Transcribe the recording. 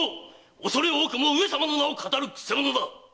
おそれ多くも上様の名を騙る曲者だ！